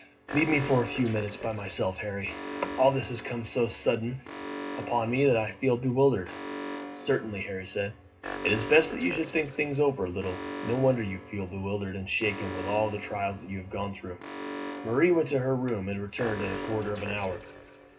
"Leave me a few minutes by myself, Harry. All this has come so suddenly upon me that I feel bewildered." "Certainly," Harry said. "It is best that you should think things over a little. No wonder you feel bewildered and shaken with all the trials you have gone through." Marie went to her room and returned in a quarter of an hour.